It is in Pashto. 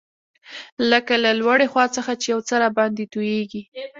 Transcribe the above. لکه له لوړې خوا څخه چي یو څه راباندي تویېږي.